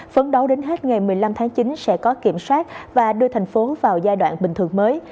phấn đấu đến hết ngày một mươi năm tháng chín sẽ có kiểm soát và đưa thành phố vào giai đoạn bình thường mới